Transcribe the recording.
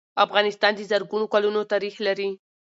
افغانستان د زرګونو کلونو تاریخ لري.